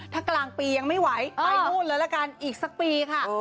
ถ้ากลางปียังไม่ไหวไปนู่นเลยละกันอีกสักปีค่ะ